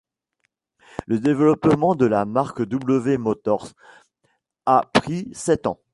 Le développement de la marque W Motors a pris sept ans.